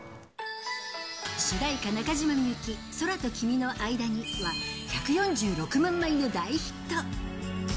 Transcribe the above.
主題歌、中島みゆき、空と君のあいだには、１４６万枚の大ヒット。